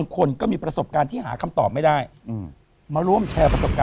ขอบคุณพี่โจ้ด้วยครับ